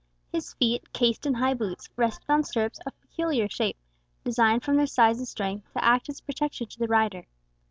His feet, cased in high boots, rested on stirrups of peculiar shape, designed from their size and strength to act as a protection to the rider.